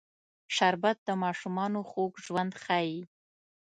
شربت د ماشومانو خوږ ژوند ښيي